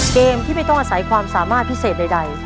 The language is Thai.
เกมที่ไม่ต้องอาศัยความสามารถพิเศษใด